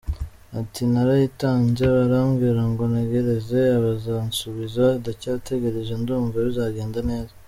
Ati “Narayitanze barambwira ngo ntegereze bazansubiza, ndacyategereje, ndumva bizagenda neza.